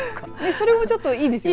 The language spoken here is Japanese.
それもちょっといいですよね。